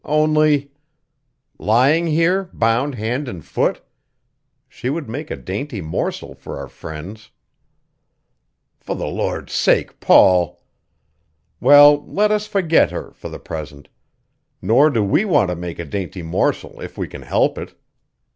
Only " "Lying here, bound hand and foot? She would make a dainty morsel for our friends." "For the Lord's sake, Paul " "Well, let us forget her for the present. Nor do we want to make a dainty morsel if we can help it.